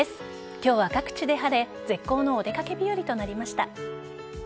今日は各地で晴れ絶好のお出掛け日和となりました。